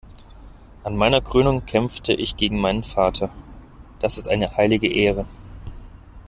An meiner Krönung kämpfte ich gegen meinen Vater. Das ist eine heilige Ehre.